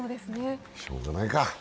しようがないか。